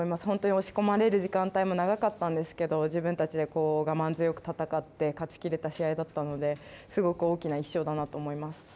本当に押し込まれる時間帯も長かったんですけど自分たちで我慢強く戦って勝ち切れた試合だったのですごく大きな１勝だなと思います。